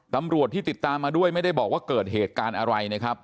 ตำรวจที่ติดตามมาด้วยไม่ได้บอกว่าเกิดเหตุการณ์อะไรนะครับ